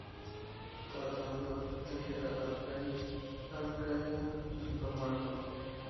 Tratando de proteger a Al-Qáhir, Al-Haiya resultó muerto.